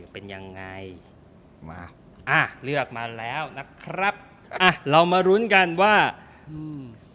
เป็นยังไงมาอ่าเลือกมาแล้วนะครับอ่ะเรามาลุ้นกันว่าอืม